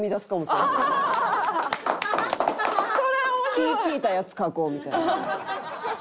気ぃ利いたやつ書こうみたいな。